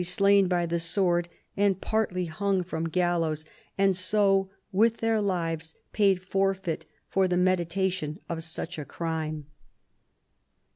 slain by the sword and partly hung from gallows, and so with their lives paid forfeit for the medita tion of such a crime."